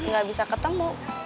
gak bisa ketemu